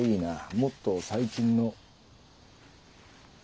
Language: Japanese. もっと最近の。